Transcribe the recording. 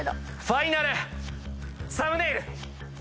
ファイナルサムネイル！